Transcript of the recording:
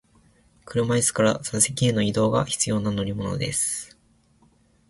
車椅子から座席への移動が必要な乗り物です。